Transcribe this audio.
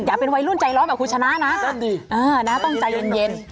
อยากเป็นวัยรุ่นใจร้อนแบบคุณชนะนะต้องใจเย็น